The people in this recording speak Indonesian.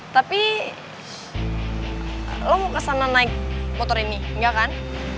tapi lo mau kesana naik motor ini enggak kan